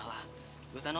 aku dua ribu delapan di sana